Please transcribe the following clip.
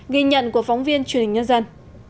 ghi nhận của phóng viên truyền hình nhân dân